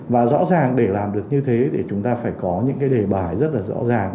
và rõ ràng để làm được như thế thì chúng ta phải có những cái đề bài rất là rõ ràng